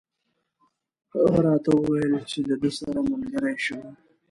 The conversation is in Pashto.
هغه راته وویل چې له ده سره ملګری شم.